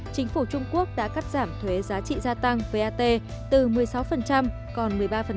chính phủ trung quốc đã cắt giảm thuế giá trị gia tăng vat từ một mươi sáu còn một mươi ba